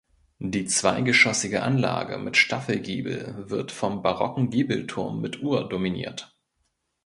Die zweigeschossige Anlage mit Staffelgiebel wird vom barocken Giebelturm mit Uhr dominiert.